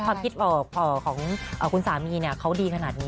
ความคิดของคุณสามีเขาดีขนาดนี้